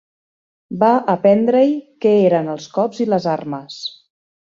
Va aprendre-hi què eren els cops i les armes.